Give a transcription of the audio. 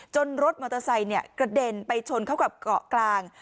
รถมอเตอร์ไซค์กระเด็นไปชนเข้ากับเกาะกลาง